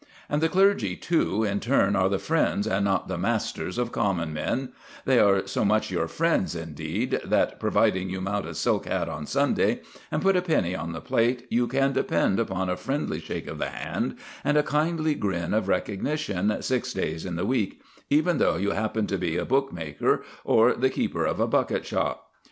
And the clergy, too, in turn are the friends and not the masters of common men; they are so much your friends, indeed, that, providing you mount a silk hat on Sunday and put a penny on the plate, you can depend upon a friendly shake of the hand and a kindly grin of recognition six days in the week, even though you happen to be a bookmaker or the keeper of a bucket shop.